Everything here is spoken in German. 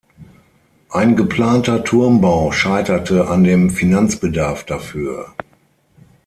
Ein geplanter Turmbau scheiterte an dem Finanzbedarf dafür.